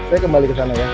saya kembali kesana ya